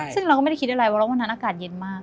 ซึ่งเราก็ไม่คิดได้อะไรวันวานนั้นอากาศเย็นมาก